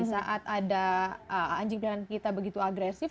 saat ada anjing pilihan kita begitu agresif